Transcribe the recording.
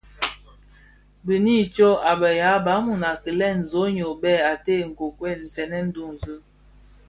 Diňi tsôg a be yaa Bantu (Bafia) a kilè zonoy bèè ated bi nkokuel nsènèn duňzi,